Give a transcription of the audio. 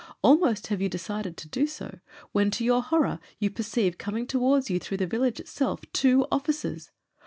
Almost have you de cided to do so when to your horror you perceive com ing towards you through the village itself two officers.